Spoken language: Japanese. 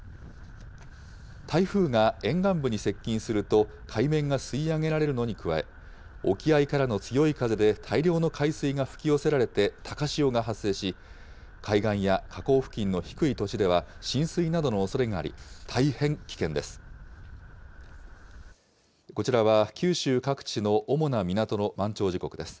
台風が沿岸部に接近すると、海面が吸い上げられるのに加え、沖合からの強い風で大量の海水が吹き寄せられて、高潮が発生し、海岸や河口付近の低い土地では浸水などのおそれがあり、大変危険です。